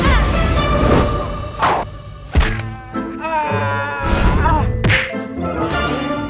namaku tidak mau menyerah